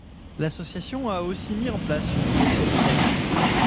L'association a aussi mis en place une bourse aux mandats.